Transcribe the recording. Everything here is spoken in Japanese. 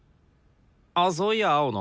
あっそういや青野。